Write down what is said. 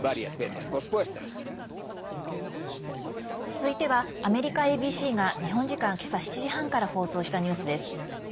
続いてはアメリカＡＢＣが日本時間けさ７時半から放送したニュースです。